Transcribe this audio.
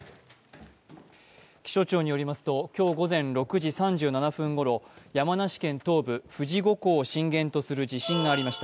気象庁によりますと、今日午前６時３７分ごろ、山梨県東部、富士五湖を震源とする地震がありました。